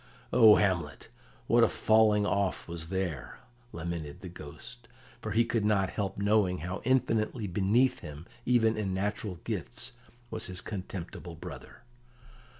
"O Hamlet, what a falling off was there!" lamented the Ghost, for he could not help knowing how infinitely beneath him, even in natural gifts, was his contemptible brother.